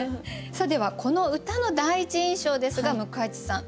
さあではこの歌の第一印象ですが向井地さん